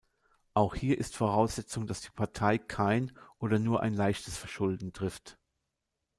Auch hier ist Voraussetzung, dass die Partei "kein oder nur ein leichtes Verschulden trifft".